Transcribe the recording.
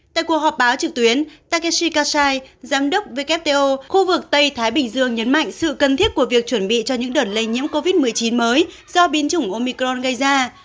tại cuộc họp báo trực tuyến takeshi kasai giám đốc wto khu vực tây thái bình dương nhấn mạnh sự cần thiết của việc chuẩn bị cho những đợt lây nhiễm covid một mươi chín mới do biến chủng omicron gây ra